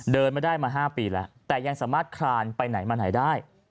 เดินไม่ได้มา๕ปีแล้วแต่ยังสามารถคลานไปไหนมาไหนได้